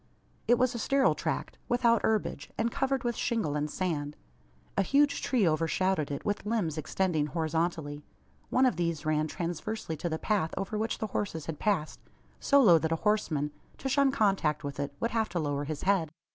It was a sterile tract, without herbage, and covered with shingle and sand. A huge tree overshadowed it, with limbs extending horizontally. One of these ran transversely to the path over which the horses had passed so low that a horseman, to shun contact with it, would have to lower his head.